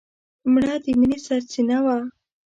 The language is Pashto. مړه د مینې سرڅینه وه